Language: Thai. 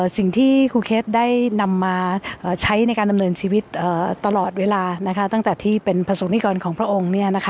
สิ่งที่ครูเคสได้นำมาใช้ในการดำเนินชีวิตตลอดเวลาตั้งแต่ที่เป็นประสงค์นิกรของพระองค์